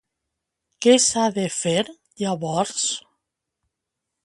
Què s'ha de fer, llavors?